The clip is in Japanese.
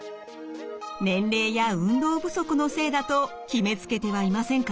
年齢や運動不足のせいだと決めつけてはいませんか？